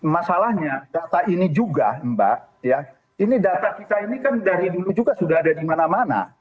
masalahnya data ini juga mbak ini data kita ini kan dari dulu juga sudah ada di mana mana